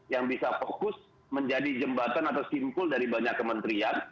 yang bisa fokus menjadi jembatan atau simpul dari banyak kementerian